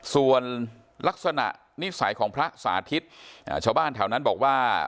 ส่วนลักษณะนิสัยของพระสาธิตชาวบ้านแถวนั้นบอกว่า